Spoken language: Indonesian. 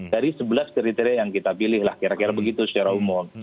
dari sebelas kriteria yang kita pilih lah kira kira begitu secara umum